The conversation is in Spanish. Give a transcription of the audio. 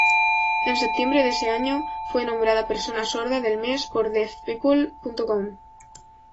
En septiembre de ese año fue nombrada Persona Sorda del Mes por Deafpeople.com.